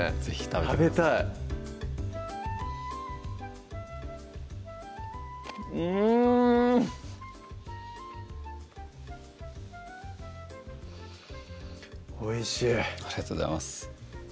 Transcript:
食べたいうんおいしいありがとうございます